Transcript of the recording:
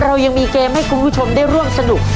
เรายังมีเกมให้คุณผู้ชมได้ร่วมสนุก